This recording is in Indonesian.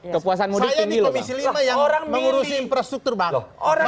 pak saya di komisi lima yang mengurusi infrastruktur bang